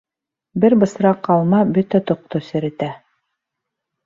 Бер бысраҡ алма бөтә тоҡто серетә.